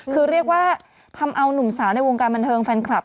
คือเรียกว่าทำเอานุ่มสาวในวงการบันเทิงแฟนคลับ